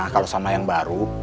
kalau sama yang baru